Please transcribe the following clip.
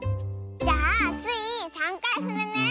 じゃあスイ３かいふるね。